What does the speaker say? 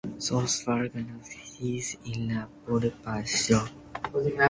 Zsolt Varga naskiĝis la en Budapeŝto.